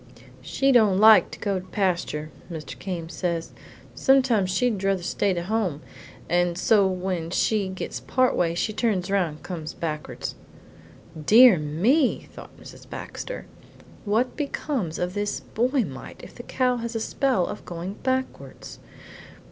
"She don't like to go to pasture, Mr. Came says. Sometimes she'd druther stay to home, and so when she gets part way she turns round and comes backwards." "Dear me!" thought Mrs. Baxter, "what becomes of this boy mite if the cow has a spell of going backwards?